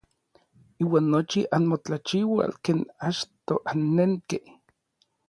Iuan nochi anmotlachiual ken achtoj annenkej.